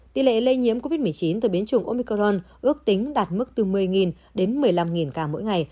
tỷ lệ lây nhiễm covid một mươi chín từ biến chủng omicron ước tính đạt mức từ một mươi đến một mươi năm ca mỗi ngày